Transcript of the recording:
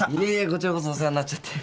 こちらこそお世話になっちゃって。